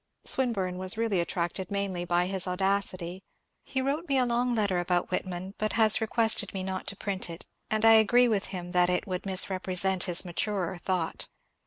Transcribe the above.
Swin burne was really attracted mainly by his audacity ; he wrote me a long letter about Whitman, but has requested me not to print it, and I agree with him that it would misrepresent his maturer thought.